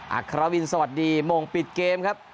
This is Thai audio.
อัครวินสวัสดีมงปิดเกมครับ